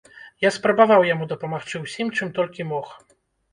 Я спрабаваў яму дапамагчы ўсім, чым толькі мог.